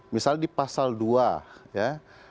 misalnya di pasal dua ya